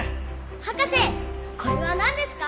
・博士これは何ですか？